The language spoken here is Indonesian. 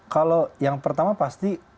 kalau yang pertama pasti